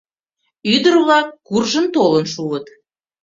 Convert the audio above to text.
Ӱдыр-влак куржын толын шуыт.